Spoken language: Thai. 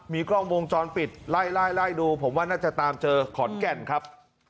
มีกล้องวงจรปิดไล่ไล่ดูผมว่าน่าจะตามเจอขอนแก่นครับ